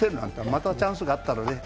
またチャンスがあったらね。